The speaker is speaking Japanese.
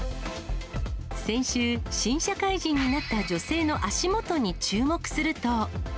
先週、新社会人になった女性の足元に注目すると。